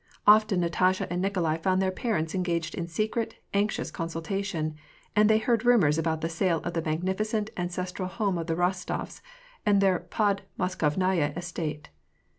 Often Natasha and Nikolai found their parents engaged in secret, anxious consultation ; and they heard rumors about the sale of the ms^nificent ancestral home of the Eostofs, and their pod Moskovnaya estate.